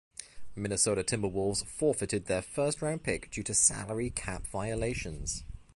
Minnesota Timberwolves forfeited their first-round pick due to salary cap violations.